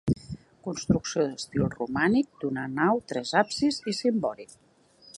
Construcció d'estil romànic d'una nau, tres absis i cimbori.